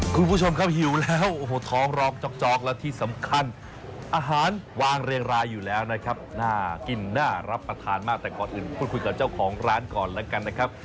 คุณผู้ชมครับหิวแล้วโอ้โหท้องร้องจอกและที่สำคัญอาหารวางเรียงรายอยู่แล้วนะครับน่ากินน่ารับประทานมากแต่ก่อนอื่นพูดคุยกับเจ้าของร้านก่อนแล้วกันนะครับ